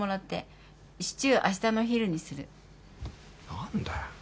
何だよ。